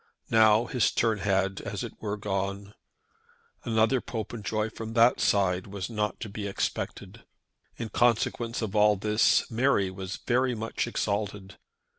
Now his turn had, as it were, gone. Another Popenjoy from that side was not to be expected. In consequence of all this Mary was very much exalted.